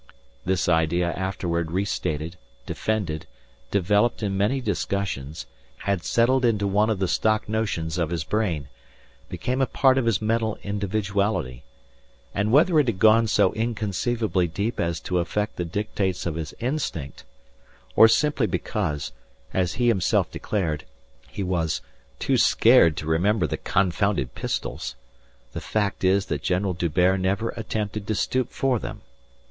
This idea afterward restated, defended, developed in many discussions, had settled into one of the stock notions of his brain, became a part of his mental individuality. And whether it had gone so inconceivably deep as to affect the dictates of his instinct, or simply because, as he himself declared, he was "too scared to remember the confounded pistols," the fact is that General D'Hubert never attempted to stoop for them.